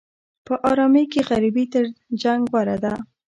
په ارامۍ کې غریبي تر جنګ غوره ده.